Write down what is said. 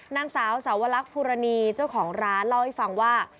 นางสาวสาวลักษณภูรณีเจ้าของร้านเล่าให้ฟังว่า